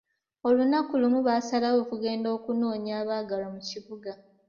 Olunaku lumu baasalawo okugenda okunoonya abaagalwa mu kibuga.